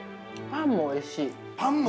◆パンもおいしい？